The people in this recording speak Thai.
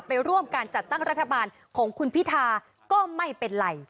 ไปร่วมการจัดตั้งรัฐบาลของคุณพิธาก็ไม่เป็นไร